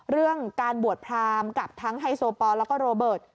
เรื่องการบวชพรามกับทั้งไฮโซปอลแล้วก็โรเบิร์ต